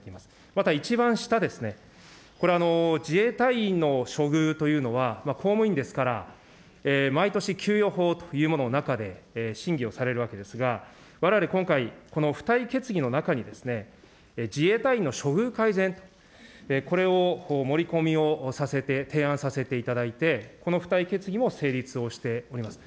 また一番下、これ、自衛隊員の処遇というのは、公務員ですから、毎年、給与法というものの中で審議をされるわけですが、われわれ今回、この付帯決議の中に自衛隊員の処遇改善と、これを盛り込みをさせて、提案させていただいて、この付帯決議も成立をしております。